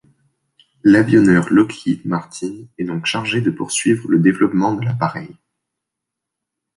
L'avionneur Lockheed Martin est donc chargé de poursuivre le développement de l’appareil.